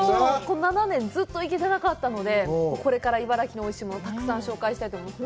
７年、ずっと行けてなかったので、これから茨城のおいしいものたくさん紹介したと思います。